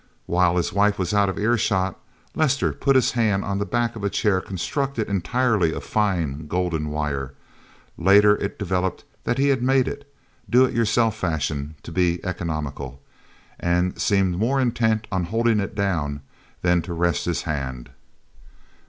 While his wife was out of earshot, Lester put his hand on the back of a chair constructed entirely of fine golden wire later it developed that he had made it, do it yourself fashion, to be economical and seemed more intent on holding it down than to rest his hand.